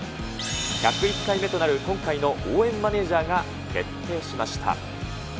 １０１回目となる今回の応援マネージャーが決定しました。